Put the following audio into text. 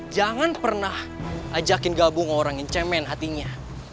jangan pernah ajakin gabung orang yang cemen hatinya